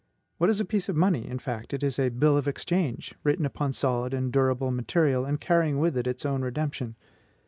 What is a piece of money, in fact? It is a bill of exchange written upon solid and durable material, and carrying with it its own redemption.